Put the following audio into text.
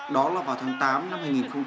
đó là vào tháng tám năm hai nghìn một mươi bốn